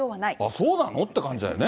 そうなのって感じだよね。